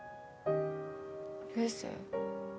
流星？